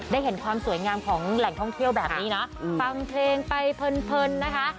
ได้เห็นความสวยงามของแหล่งท่องเที่ยวแบบนี้นะฟังเพลงไปเพลินนะคะ